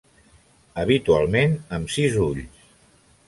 Habitualment amb sis ulls.